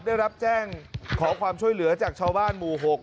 ได้รับแจ้งขอความช่วยเหลือจากชาวบ้านหมู่๖